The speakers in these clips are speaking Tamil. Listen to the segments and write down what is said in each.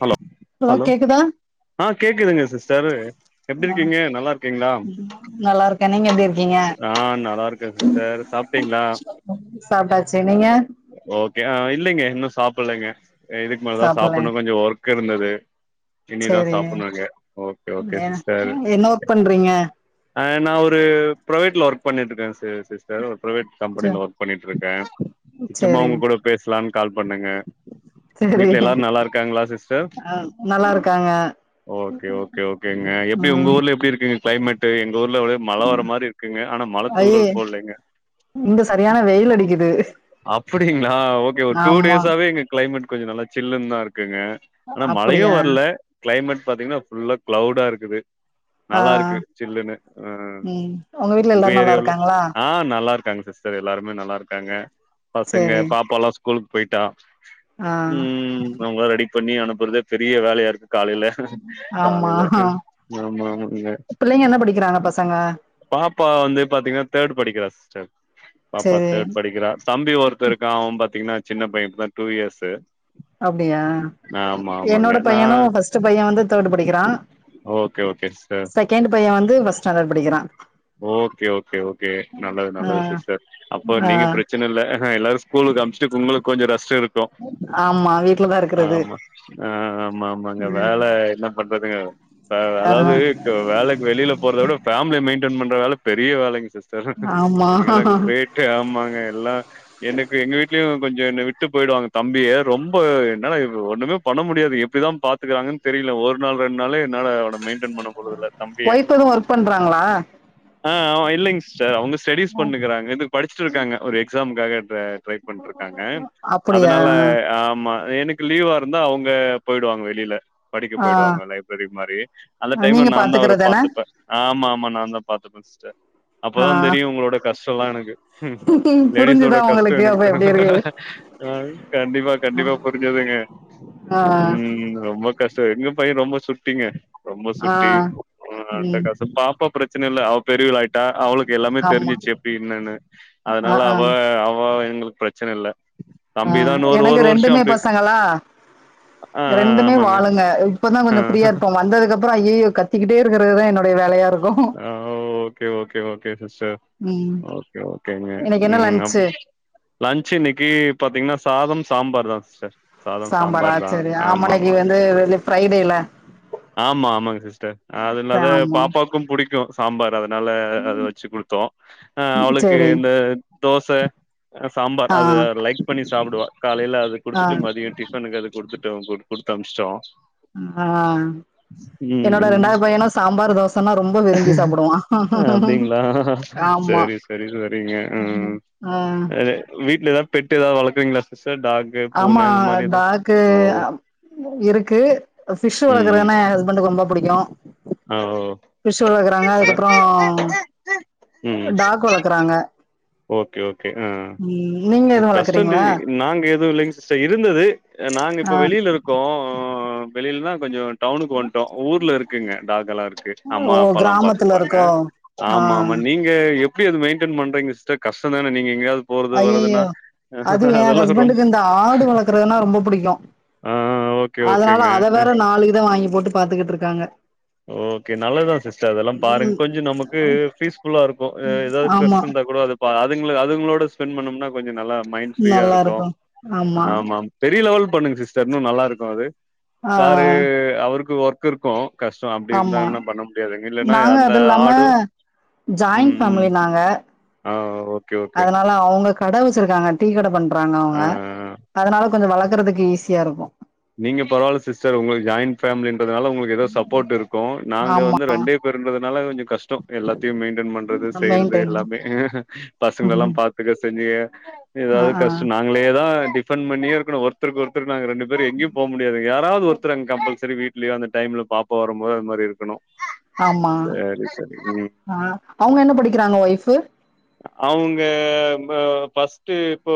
ஹலோ ஹலோ ஆ கேக்குதுங்க சிஸ்டர் ஆ எப்டிருக்கீங்க நல்லார்க்கீங்ளா நல்லா இருக்கே நீங்க எப்டி இருக்கீங்க ஆ நல்லாருக்கே சிஸ்டர் சாப்ட்டீங்ளா சாப்ட்டாச்சு நீங்க ஓகே ஆ இல்லைங்க இன்னு சாப்பில்லங்க இதுக்கு மேலதா சாப்பட்லயா சாப்புணு கொஞ்ச ஒர்க் இருந்தது இனிதா சேரி சாப்பிணுங்க ஓகே ஒகே ஏ சிஸ்டர் என்ன ஒர்க் பண்றீங்க ஆ நா ஒரு ப்ரைவேட்ல ஒர்க் பண்ணிட்டுருக்கே சி சிஸ் டர் ஒரு ப்ரைவேட் ச கம்பெனில ஒர்க் பண்ணிட்ருக்கே சும்மா சேரி உங்க கூட பேசலாம்னு கால் பன்னேங்க வீட்ல எல்லாரு நல்லார்க்காங்ளா சிஸ்டர் அ நல்லார்க்காங்க ஓகே ஓகே ஓகேங்க எப்டி உங்க ஊர்ல எப்டி இருக்குங்க க்ளைமேட்டு எங்க ஊர்ல ஒரே மழ வர மாரி இருக்குங்க ஆனா மழ ஐய தூறல் போட்லேங்க இங்க சரியான வெயில் அடிக்குது அப்டிங்களா ஓகே ஒரு டூ ஆமா டேஸாவே இங்க கிளைமேட் கொஞ்சோ நல்லா சில்லுன்னு தா இருக்குங்க ஆனா மழயு அப்டியா வர்ல கிளைமேட் பாத்தீங்கன்னா ஃபுல்லா கிளவுடா இருக்குது ஆ நல்லா இருக்கு சில்லுன்னு ம் வீட்ல உங்க எல்லாரு நல்லா ஏரியால இருக்காங்களா ஆ நல்லா இருக் தேங்க்யூ சிஸ்டர் எல்லாருமே நல்லா இருக்காங்க பசங்க சேரி பாப்பாலா ஸ்கூலுக்கு போயிட்டா ஆ ம் அவுங்கல ரெடி பண்ணி அனுப்புறதே பெரிய வேலையா இருக்கு காலையில ஆமா காலையில ஆமா ஆமாங்க பிள்ளைங்க என்ன படிக்கிறாங்க பசங்க பாப்பா வந்து பாத்தீங்கன்னா தேர்ட் படிக்கிறா சிஸ்டர் பாப்பா சேரி தேர்ட் படிக்கிறா தம்பி ஒருத்த இருக்கா அவ பாத்தீங்கன்னா சின்ன பைய இப்போ தா டூ இயர்ஸ்சு அப்டியா என்னோட ஆமாங்க நா பையனு ஃபர்ஸ்ட்டு பைய வந்து தர்ட்டு படிக்கிறா ஓகே ஓகே சிஸ்டர் செகண்ட் பைய வந்து ஃபர்ஸ்ட் ஸ்டாண்டர்ட் படிக்கிறா ஓகே ஓகே ஓகே நல்லது ஆ நல்லது சிஸ்டர் அப்போ ஆ நீங்க பிரச் பிரச்சனயில்ல அ எல்லாரு ஸ்கூலுக்கு அம்ச்ட்டு உங்குளுக்கு கொஞ்சோ ரெஸ்ட் இருக்கு ஆமா வீட்லதா இருக்கறது ஆமா ஆ ஆமா ஆமாங்க வேல ம் என்ன என்ன பண்றதுங்க ஆ அதாவது வேலைக்கு வெளியில போறத விட ஃபேமிலி மெயின்டைன் பண்ற வேல பெரிய வேலைங்க சிஸ்டர் ஆமா நீங்க எல்லா கிரேட்டு ஆமாங்க எல்லா எனக்கு எங்க வீட்லயு கொஞ்சோ என்ன விட்டு போயிடுவாங்க தம்பிய ரொம்ப என்னன்னா ஒண்ணுமே பண்ண முடியாது எப்டிதா பாத்துகிறாங்கனு தெரியல ஒரு நாள் ரெண்னாளே என்னால அவன மெயின்டென் பண்ண போறதில்ல தம்பி ஒய்ஃப் எதுவு ஒர்க் பண்றாங்களா ஆ ஆமா இல்லைங் சிஸ்டர் அவுங்க ஸ்டடிஸ் பண்ணிட்டு இருக்காங்க இது படிச்சிட்டு இருக்காங்க ஒரு எக்ஸாமக்கா இப்ப ட்ரை பண்ட்டு இருக்காங்க அப்படியா அதனால ஆமா எனக்கு லீவா இருந்தா அவுங்க போயிடுவாங்க வெளில படிக்க ஆ போயிடுவாங்க லைப்ரேரி மாரி அந்த ஆ டைம்ல நீங்க நா தா அவர பாத்துக்கறதான பாத்துப்பே ஆமா ஆமா நா தா பாத்துப்பே சிஸ்டர் ஆ அப்பதா தெரியு உங்களோட கஷ்டோ லா எனக்கு புரிஞ்சுதா லேடிஸ்ஒட கஷ்டோ உங்களுக்கு அப்ப எனக்கு எப்டி இருக்கு ஆ கண்டிப்பா கண்டிப்பா புரிஞ்சதுங்க ஆ ம் ரொம்ப கஷ்டோ எங்க பைய ரொம்ப சுட்டிங்க ரொம்ப ஆ சுட்டி ஆ ம் பாப்பா பிரச்சன இல்ல அவ பெரியவலா ஆயிட் டா அவுளுக்கு எல்லாமே ஆமா தெரிஞ்சுச்சு எப்டி என்னன்னு ஆ அதனால ஆ அவ அவ எங்களுக்கு பிரச்சன இல்ல ஆ தம்பிதா இன்னொரு எனக்கு ஒரு வருஷோ ரெண்டுமே அப்டி பசங்களா ஆ ஆ ரெண்டுமே ஆமாங்க வாலுங்க இப்பதா ஆ கொஞ்சோ ஃப்ரீயா இருப்போ வந்ததுக் அப் அப்றோ ஏ கத்திக்கிட்டே இருக்குறது தா என்னோடைய வேலயா இருக்கு ஆ ஓகே ஓகே ஓகே சிஸ்டர் ம் ஓகேங்க இன்னைக்கு என்ன ம் லன்ச்சு லஞ்ச் இன்னைக்கி பாத்தீங்கன்னா சாதம் சாம்பார் தா சிஸ்டர் சாதம் சாம்பாரா சாம்பார் தா சேரி ஆமா இன்னைக் வந்து ஃப்ரைடேல ஆமா ஆமாங்க சிஸ்டர் அது இல்லாத ஆமா பாப்பாக்கு புடிக்கு சாம்பார் நல்ல அது வச்சு குடுத்தோ ஆ அவுளுக்கு சரி இந்த தோச சாம்பார் ஆ அது லைக் பண்ணி சாப்புடுவா காலையில அது ஆ குடுத்துட்டு மதியோ டிஃபனுக்கு அது குடுத்துட் குடுத்து அனுப்ச்சிட்டோ ஆ ம் என்னோட ம். ரெண்டாவது பையனு சாம்பார் தோசன்னா ரொம்ப விரும்பி சாப்பிடுவா சேரி சேரி சேரிங்க ம் ஆ வீட்ல எதா பெட்டு் ஏதாவது வளக்குறீங்களா சிஸ்டர் டாக் ஆமா டாக்கு இருக்கு பிஷ் ம் ம். வளக்றதுனா என் ஹஸ்பண்டுக்கு ரொம்ப புடிக்கு ஆ ஓ! ஃபிஷ்சு வளக்குறாங்க ஆனா அதுக்கப்றோ ம் டாக் வளக்குறாங்க ஓகே ஓகே ஆ நீங்க எதுவு கஷ்டோ வளக்குறீங்களா நிவி நாங்க எதுவு இல்லிங்க சிஸ்டர் இருந்தது நாங்க ஆ இப்ப வெளியில இருக்கோ ஆ வெளியிலனா கொஞ்சோ டவுனுக்கு வந்துட்டோ ஊர்ல இருக்குங்க டாக்லா இருக்கு ஓ அம்மா அப்பாலா கிராமத்துல பாத்துப்பாங்க இருக்கோ ஆ ஆமா ஆமா நீங்க எப்படி அது மெயின்டென் பண்றீங்க சிஸ்டர் கஷ்டோ தானே நீங்கயாவது ஐயையோ அது என ரொம்ப ஹஸ்பண்டக்கு இந்த ஆடு வளக்குறதுன்னா ரொம்ப புடிக்கு ஆ ஓகே அதுனால ஓகேங்க அதை வேற நாலு இத வாங்கி போட்டு பாத்துக்கிட்டு இருக்காங்க ஓகே நல்லதா சிஸ்டர் அதெல்லா பாருங்க ம் கொஞ்சோ நமக்கு பீஸ்ஃபுல்லா இருக்கு ஏதாவது ஸ்ட்ரெஸ் ஆமா இருந்தா கூட அது அதுங்க அதுங்களோட ஸ்பெண்ட் பண்ணோம்னா கொஞ்சோ நல்லா மைண்ட் ஃப்ரீயா இருக்கு ஆமா பெரிய லெவல் பண்ணுங்க சிஸ்டர் இன்னு நல்லா இருக்கு அது ஆ சாரு அவருக்கு ஒர்க் இருக்கு கஷ்டோ அப்டி இருந்தா ஆமா என்னு பண்ண முடியாதுங்க இல்லைன்னா அந்த ஆடு ஜாயின் ம் ம் ஃபேமிலி நாங்க ஆ ஓகே ஓகே அதுனால அவுங்க கட வச்சிருக்காங்க டீ கட பண்றாங்க ஆ அவுங்க அதுனால கொஞ்சோ வளக்கறதுக்கு ஈஸியா இருக்கு நீங்க பரவாயில்ல சிஸ்டர் உங்க ஜாயிண்ட் ஃபேமிலின்றதுனால உங்களுக்கு ஏதோ சப்போர்ட் இருக்கு நாங்க ஆமா வந்து ரெண்டே பேருங்குறதுனால கொஞ்சௌ கஷ்டோ எல்லாத்தையு மெயின்டன் பண்றது செய்றது மெயின்டெயின் எல்லாமே பசங்கலலா ம் பாத்து செஞ்சுங்க ஆ ஏதாவது ஆ கஷ்டோ நாங்களே தா டிஃப்பன் பண்ணியே இருக்கணு ஒருத்தருக்கு ஒருத்தர் நாங்க ரெண்டு பேரு எங்கயு போ முடியாதுக யாராவது ஒருத்தர் அங்க கம்பல்சரி வீட்லயே அந்த டைம்ல பாப்பா வரும்போது அதுமாரி இருக்கணு ஆமா சேரி சேரி ம் ஆ அவுங்க என்ன படிக்கிறாங்க ஒய்ஃபு [inaudible] அவுங்க ஃபர்ஸ்ட்டு இப்போ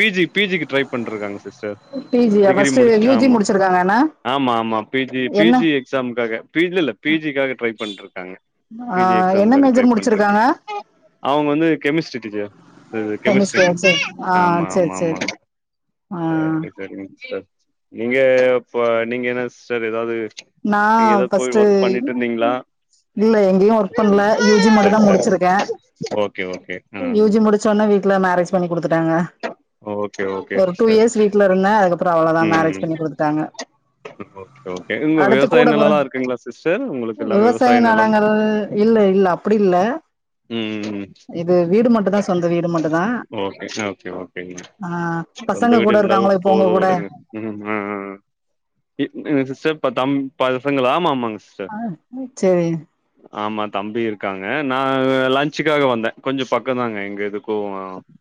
பிஜி பிஜிக்கு ட்ரை பண்ணிட்டு இருக்காங்க சிஸ்டர் பிஜியா டிகிரி பஸ்ட்டு முடிச்சுட்டு யூஜி ஆமா முடிச்சிருக்காங்க எனா ஆமா ஆமா பிஜி பிஜி எக்ஸாமக்காக பிஜி இல்ல பிஜிக்காக ட்ரை பணிட்டு இருக்காங்க ஆ என்ன மேஜர் முடிச்சிருக்காங்க அவுங்க வந்து chemistry teacher M S C chemistry யா சேரி ஆ ஆமா சேரி ஆமா ஆமா சேரி ஆ சேரி சேரிங் நீங்கப்ப நீங்க எனா சிஸ்டர் ஏதாவது நான் ஃபர்ஸ்ட்டு இல்ல எங்கேயு ஒர்க் பண்ல சரி யூஜி மட்ட தா சரி முடிச்சிருக்கே ஓகே ஓகே ஆ யூஜி முடிச் சொன்ன வீட்ல மேரேஜ் பண்ணி குடுத்துட்டாங்க ஓகே ஓகே ஒரு டூ சிஸ்டர் ஈயர்ஸ் வீட்ல இருந்த அது அப்றோ அவ்ளோதா ம் ம் மேரேஜ் பண்ணி குடுத்டாங்க ஓகே ஓகே உங்க விவசாய கூட பொற நிலம்ல்லா இருக்குங்களா சிஸ்டர் உங்களுக்கு எல்லா விவசாய நிலம் இல்ல இல்ல அப்டி இல்ல ம் ம் இது வீடு மட்டுதா சொந்த வீடு மட்டுதா ஓகே ஓகே ஓகேங்க ஆ பசங்க கூட இருக்காங்களோ இப்போ உங்க கூட ம் ம் அ அ எங் எங்க சிஸ்டர் பா தம் பசங்களா ஆமா ஆமாங்க சிஸ் ஆ சேரி ஆமா தம்பி இருக்காங்க நா லஞ்சுக்காக வந்த கொஞ்சோ பக் கதாங்க எங்க எதுக்கு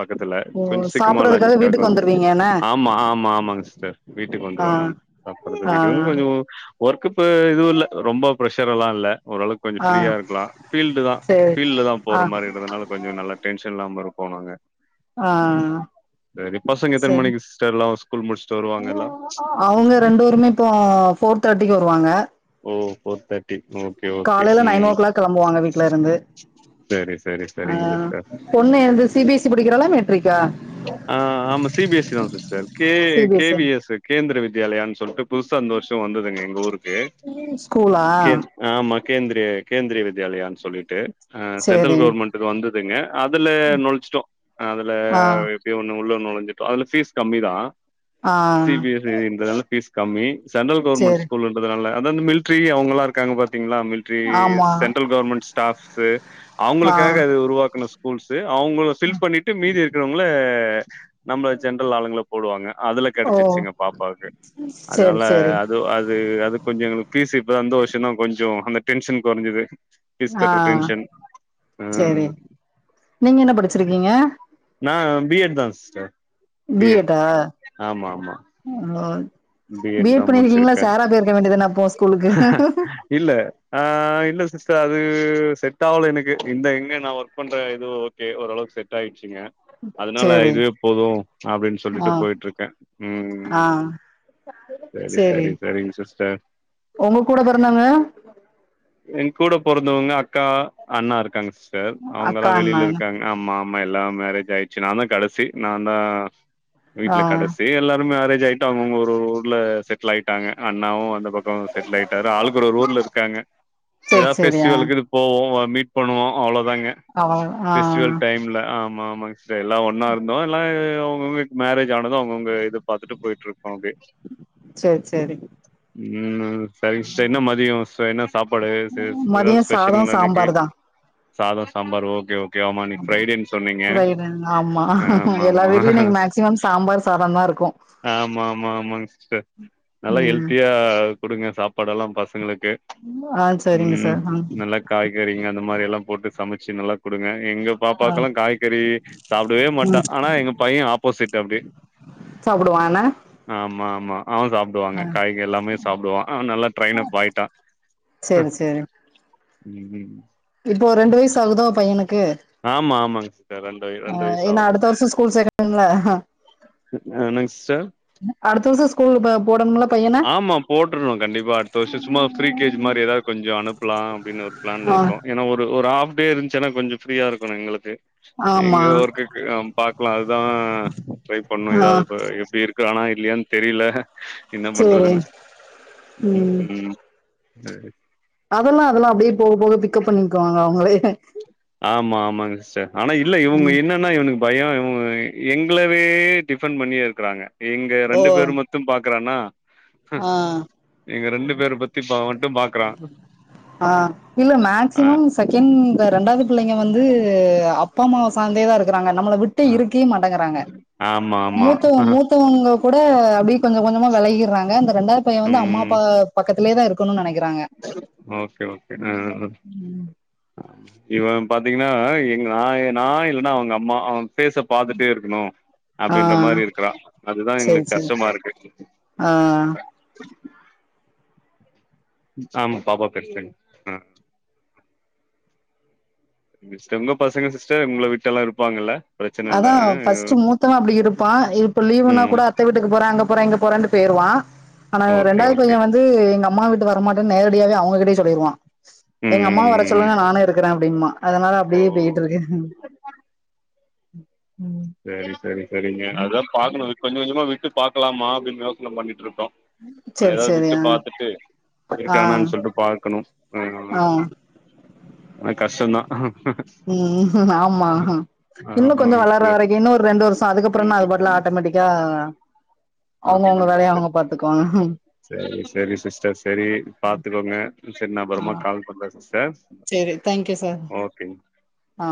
பக்கத்துல ஓ கொஞ்சோ சீக்கிரமா சாப்புட்றதுக்காக லஞ்சுக்காக வீட்டுக்கு வந் வந்துருவீங்க என்ன ஆமா ஆமா ஆமாங்க சிஸ்டர் வீட்டுக்கு ஆ வந்துருவே நானு சாப்டுறது ஆ வீட்டுக்கு வந்து கொஞ்சோ ஒர்க்குப்பு இதுவுல்ல ரொம்ப பிர்ரெஷர்ல்லா இல்ல ஓரளவுக் கொஞ்ச ஆ ஃப்ரியா இருக்கலா ஃபீல்டுதா சேரி ஃபீல்டுதா ஆ போற மாரி இருந்துனால கொஞ்ச நல்லா டென்ஷன் இல்லாம இருப்போ நாங்க ஆ சரி பசங்க எத்தன சரி மணிக்கு சி எல்லா ஸ்கூல் முடிச்சுட்டு வருவாங்க எல்லா அவுங்க ரெண்டு பேருமே இப்போ ஃபோர் தேர்ட்டிக்கு வருவாங்க ஓ ஃபோர் தேர் காலையில நைன் ஓ கிளாக் கிளம்புவாங்க வீட்ல இருந்து சரி சரி ஆ சரிங்க சிஸ்டர் பொண்ணு எந்து சி பி எஸ் சி படிக்கிறாளா மெட்ரிக்கா ஆ ஆமா சி பி எஸ் சி தா sister K C B K V C S Kendriya Vidyalaya சொ சொல்ட்டு புதுசா இந்த வருஷோ வந்ததுங்க எங்க ஊருக்கு ஸ்கூலா கேந் ஆ மாகேந்திரிய கேந்திரிய வித்யாலயான்னு சொல்லிட்டு அ சென்ட்ரல் சேரி கவர்மெண்ட் டு வந்ததுங்க அதுல நுழைச்சிட்டோ அதுல ஆ எப்டியோ ஒண்ணு உள்ள நொலஞ்சிட்டோ அதுல ஃபீஸ் கம்மி தா ஆ சி பி எஸ் சி என்றதுனால ஃபீஸ் கம்மி சென்ட்ல்கவர்மெண்ட் சேரி ஸ்கூல்ன்றதுனால அத அந்த மில்ட்ரி அவுங்களா இருக்காங்க பாத்தீங்களா மில் ட்ரி ஆமா சென்ட்ரல் கவர்மெண்ட் ஸ்டாஃப்ஸ்ஸு ஆ அவுங்களுக்காக அது உருவாக்கன ஸ்கூல்ஸ்ஸு அவுங்கள ஃபில் பண்ணிட்டு மீதி இருக்கற அ நம்மள ஜென்ரல் ஆளுங்கள போடுவாங்க அதுல ஓ கெடச்சிருச்சுங்க பாப்பாவுக்கு சேரி அதனால சேரி அது அது அது கொஞ்சோ எங்களுக்கு ஃபீஸ் இப்ப இந்த வருஷோ தா கொஞ்சோ அந்த டென்ஷன் கொறைஞ்சது ஃபீஸ் ஆ கட்ற டென்ஷன் ஆ சேரி நீங்க என்ன படிச்சிருக்கீங்க நா பி எட் தா சிஸ்டர் பி எட்டா ஆமா ஆமா ஓ பி எட் பண்ணி இருக்கீங்களா சார்ரா போயிருக்க வேண்டியது தான அப்போ ஸ்கூலுக்கு இல்ல ஆ இல்ல சிஸ்டர் அது செட் ஆவல எனக்கு இந்த எங்க நா ஒர்க் பண்ற இது ஓகே ஓரளவுக்கு செட் ஆய் ச்சிங்க அதனால சேரி இதுவே போது அப்டின்னு சொல்லிட்டு ஆ போய்ட்டு இருக்க ம் ஆ ம் சரி சேரி சரி சரிங்க சிஸ்டர் உங்க கூட பொறந்தவங்க என் கூட பொறந்தவுங்க அக்கா அண்ணா இருக்காங்க சிஸ்டர் அக்கா அவுங்கல்லா வெளில அண்ணானா இருக்காங்க ஆமா ஆமா எல்லா மேரேஜ் ஆயிடுச்சு நா தா கடைசி நா தா ஆ வீட்ல கடைசி எல்லாரு மேரேஜ் ஆய்ட்டு அவுங்கவுங்க ஒரு ஒரு ஊர்ல செட்டில் ஆய்ட்டாங்க அண்ணாவு அந்த பக்கோ செட்டில் ஆயிட்டாரு ஆளுக்கு ஒரு ஒரு ஊர்ல இருக்காங்க சேரி ஏதாவ சேரி ஆ பெஸ்டிவலுக்கு போவோ வ மீட் பண்ணுவோ அவ்வளோதாங்க அவ ஆ ஃபெஸ்டிவல் டைம்ல ஆமா ஆமாங்க சே எல்லா ஒன்னா இருந்தோ எல்லா எ அவுங்கவுங்க மேரேஜ் ஆனது அவுங்கவுங்க இத பாத்துட்டு போய்ட்டுருப்போ அப்டே [inaudible] சேரி சேரிங்க ம் சரிங்க சிஸ்டர் என்ன மதியோ ச என்ன சாப்பாடு எதாவது ச ச மதியோ சாதோ ஸ்பெஷலுங்களா இன்னைக்கு சாம்பார் தா சாதோ சாம்பார் ஓகே ஓகே ஆமா இன்னைக்கு ஃப்ரைடேன்னு சொன்னீங்க [unintelligible] ஆமா ஆமா எல்லா ஆமா வீட்லயு இன்னிக்கு மேக்சிமம் சாம்பார் சாதோதா இருக்கு ஆமா ஆமா ஆமாங்க சிஸ்டர் நல்லா ம் ஹெல்த்தியா குடுங்க சாப்பாடெல்லா பசங்களுக்கு ஆ சரிங்க ம் சார் நல்லா காய்கறிங்க அந்த மாரில்லா போட்டு சமைச்சு நல்லா குடுங்க எங்க ஆ பாப்பாக்கெல்லா காய்கறி சாப்டவே மாட்டா ம் ஆனா எங்க பைய ஆப்போசிட் அப்டே சாப்டுவா நா ஆமா ஆமா அவன் சாப்டுவாங்க காய்கறி எல்லாமே சாப்டுவா அவ நல்லா டிரெயின் அப் ஆயிட்டா சேரி சேரி ம்ம் இப்போ ரெண்டு வயசு ஆகுதோ பையனுக்கு ஆமா ஆமாங்க சிஸ்டர் எல் ஆ ஏனா அடுத்த வர்ஷ ஸ்கூல் சேக்கனும்ல ஆ என்னங் சிஸ்டர் அடுத்த வருச ஸ்கூல் போடனும்ல பையன ஆமா போட்டுறுணு கண்டிப்பாக அடுத்த வருஷ சும்மா ஃப்ரீ கேஜி மாரி எதாது கொஞ்ச அனுப்பலா அப்டின்னு ஒரு பிளான்ல ஆ இருக்கோ ஏன்னா ஒரு ஒரு ஹாஃப் டே இருந்துச்சுன்னா கொஞ்ச ஃப்ரீயா இருக்கு எங்களுக்கு நீங்க ஆமா ஒர்க் அம் பாக்லா அத்தா ட்ரை பண்ணு ஆ ஏதாது எப்டி இருக் க்கானா இல்லயான்னு தெரில என்ன சேரி பண்றதுன்னு ம் உம் சேரி அதெல்லா அதெல்லா அப்டியே போக போக பிக்அப் பண்ணிக்குவாங்க அவங்களே ஆமா ஆமாங்க சிஸ்டர் ஆனா இல்ல இவங்க ம் என்ன ன்னா இவனுக்கு பயொ இவங்கொ எங்களவே டிஃபன் பண்ணியெ இருக்குறாங்க எங்க ஓ ரெண்டு பேர் மத் த்தும் பாக்குறானா ஆ எங்க ரெண்டு பேர் பத் [unintelligible] ஆ இல்ல ஆ மேக்சிமம் செகண்ட் ரெண்டாவது பிள்ளைங்க வந்து அப்பா அம்மாவ சாந்தேதா இருக்கிறாங்க நம்மள விட் ட்டு ஆ. இருக்கவெ மாட்டேங்குறாங்க ஆமா ஆமா மூத்தவ மூத்தவங்க கூட அப்டியே கொஞ்ச கொஞ்சமா வேளகிறாங்க இந்த ரெண்டாவது பைய வந்து அம்மா ம் அப்பா பக்கத்திலே தா இருக்கனுனு நெனக் ஓகே ஓகே ஆ இவ பாத்தீங்கன்னா எங் நா நா இல்லன்னா அவங்க அம்மா பேச பாத்துட்டே இருக்கணு ஆ அப்படின்ற மாரி இருக்கறா அதுதா செரி எங்களுக்கு செரி கஷ்டமா இருக்கு ஆ ஆமா பாப்பா ப்ரெக்னன்ட் ஆ [unintelligible] பசங்க சிஸ்டர் உங்கள விட்டெல்லா இருப்பாங்கல்ல பிரச்சன இல்ல அதா ஆ ஃபர்ஸ்ட் மூத்தவ அப்டி இருப்பா இப்ப லீவ்னா ம் கூட அத்த வீட்டுக்கு போற அங்க போறே இங்க போறான்ட்டு போயிருவா ஆனா ஓகே ரெண்டாவது ஓகே பைய வந்து எங்க அம்மா விட்டு வரமாட் நேரடியாவே அவங்க கிட்டே சொல்லிருவா ம் எங்க அம்மாவ வர ம் ம் சொல்லுங்க நானே இருக் கிற அப்டிம்பா அதனால ஓ அப்டியே போயிட்ருக்கு ம் சரி சரி சரிங்க அதா பாக்கணு கொஞ்சோ கொஞ்சமா விட்டு பாக்கலாம அப்படின் யோசன பண்ணிட் ருக்கோ செரி அதேதா செரி விட்டு ஆ பாத்துட்டு ஆ இருக்கானான் சொல்ட்டு பாக்கணு ஆ ஆமா ஆனா கஷ்டந்தா உம் ஆமா இன்னு கொஞ்ச ஆமாங்க வள சிஸ்டர் ப்ப வரைக்குன்ன ஒரு ரெண்டு வருஷம் அதுக்கப்புற அது பாட்ல ம் ஆட்டோமேட்டிக்கா அவங்க அவங்க ஆமாங்க வேலய சிஸ்டர் அவங்க பாத்துக்குவாங்க சரி சரி சிஸ்டர் சரி பாத்துக்கோங்க சரி நா ஆ அப்பறமா கால் பண்ற சிஸ்டர் செரி தேங்க்யூ சார் ஓகேங்க ஆ